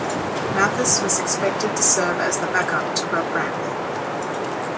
Mathis was expected to serve as the back-up to Rob Brantly.